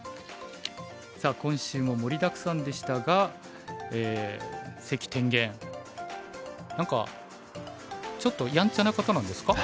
さあ今週も盛りだくさんでしたが関天元何かちょっとやんちゃな方なんですか？